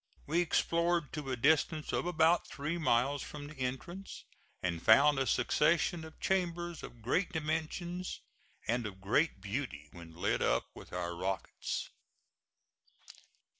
We explored to a distance of about three miles from the entrance, and found a succession of chambers of great dimensions and of great beauty when lit up with our rockets.